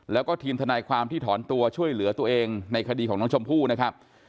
แล้วก็ทีมทนายความที่ถอนตัวช่วยเหลือตัวเองในคดีของน้องชมพู่นะครับ